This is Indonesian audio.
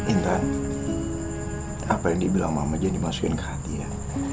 intan apa yang dibilang mama dia dimasukin ke hati ya